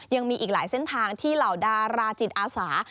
ยังมีอีกหลายเส้นทางที่เหล่าดาราจิตอาสา